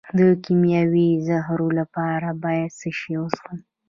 د کیمیاوي زهرو لپاره باید څه شی وڅښم؟